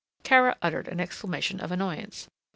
Kara uttered an exclamation of annoyance.